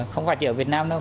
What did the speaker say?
không phải chỉ ở việt nam đâu